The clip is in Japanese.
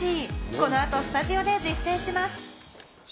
この後、スタジオで実践します。